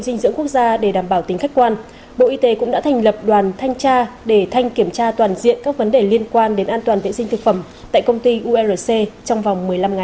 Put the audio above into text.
xin chào quý vị và các bạn